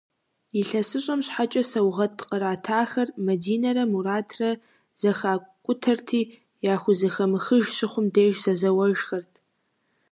Илъэсыщӏэм щхьэкӏэ сэугъэт къратахэр, Мадинэрэ Муратрэ, зэхакӏутэрти, яхузэхэмыхыж щыхъум деж зэзэуэжхэрт.